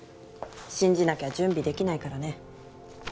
信じなきゃ準備出来ないからね。